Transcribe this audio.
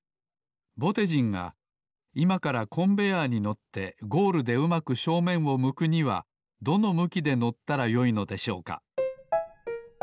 ぼてじんがいまからコンベアーに乗ってゴールでうまく正面を向くにはどの向きで乗ったらよいのでしょうか？